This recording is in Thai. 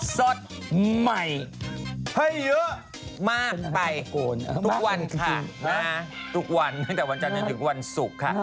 สดใหม่ให้เยอะมากไปทุกวันค่ะทุกวันตั้งแต่วันจันทร์จนถึงวันศุกร์ค่ะ